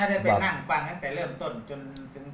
ได้ไปนั่งฟังตั้งแต่เริ่มต้นจนถึง